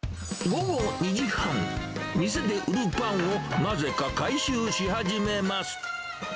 午後２時半、店で売るパンをなぜか回収し始めます。